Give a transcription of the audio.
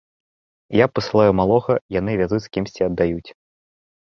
Я пасылаю малога, яны вязуць з кімсьці аддаюць.